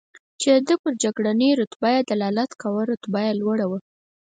چې د ده پر جګړنۍ رتبه یې دلالت کاوه، رتبه یې لوړه وه.